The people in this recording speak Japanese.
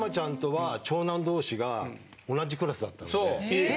えっ。